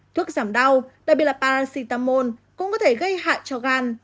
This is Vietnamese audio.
thuốc giảm đau đặc biệt là paracetamol cũng có thể gây hại cho gan